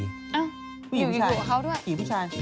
อยู่กับเขาด้วยอยู่กับผู้ชาย